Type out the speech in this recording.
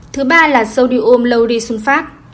thứ ba là sodium lourisulfate